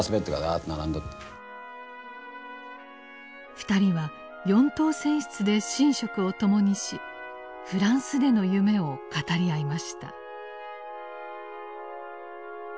２人は四等船室で寝食を共にしフランスでの夢を語り合いました。